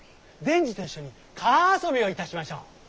善児と一緒に川遊びをいたしましょう。